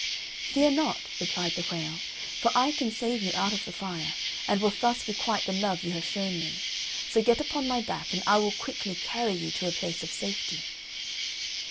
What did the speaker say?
"Fear not," replied the whale, "for I can save you out of the fire, and will thus requite the love you have shown me; so get upon my back, and I will quickly carry you to a place of safety."